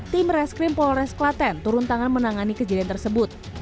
tim reskrim polores kelatan turun tangan menangani kejadian tersebut